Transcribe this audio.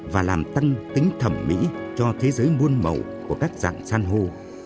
và làm tăng tính thẩm mỹ cho thế giới muôn màu của các dạng san hô